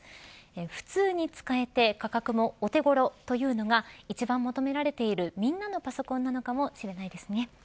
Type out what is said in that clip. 普通に使えて価格もお手ごろというのが一番求められているみんなのパソコンなのかもしれないですね。